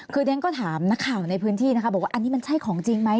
คือเรียนก็ถามนักข่าวในพื้นที่นะคะบอกว่าอันนี้มันใช่ของจริงไหม